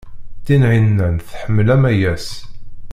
Tinhinan tḥemmel Amayas.